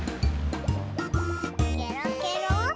ケロケロ？